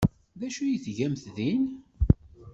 D acu ay tgamt din?